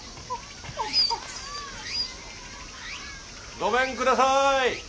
・ごめんください！